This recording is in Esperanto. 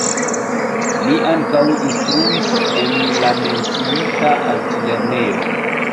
Li ankaŭ instruis en la menciita altlernejo.